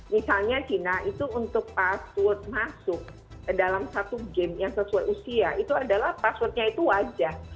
misalnya china itu untuk password masuk dalam satu game yang sesuai usia itu adalah passwordnya itu wajah